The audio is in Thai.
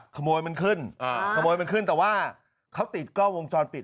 ขโมยมันขึ้นแต่ว่าเขาติดกล้องวงจรปิด